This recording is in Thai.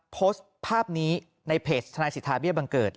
โพสต์ภาพนี้ในเพจทนายสิทธาเบี้ยบังเกิด